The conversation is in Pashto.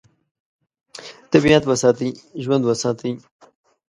طبیعت وساتئ، ژوند وساتئ.